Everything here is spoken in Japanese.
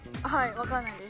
わからないです。